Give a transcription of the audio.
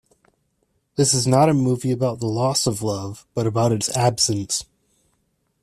This is not a movie about the loss of love, but about its absence.